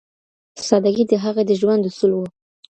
سادگي د هغې د ژوند اصول و.